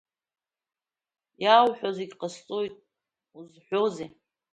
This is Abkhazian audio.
Иаауҳәо зегь ҟасҵоит, узыҳәозеи?